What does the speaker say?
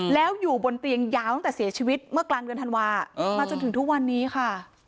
แล้วอยู่บนเตียงยาวตั้งแต่เสียชีวิตเมื่อกลางเดือนธันวามาจนถึงทุกวันนี้ค่ะ